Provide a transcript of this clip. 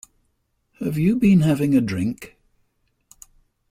Have you been having a drink?